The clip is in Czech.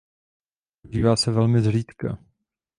Používá se velmi zřídka.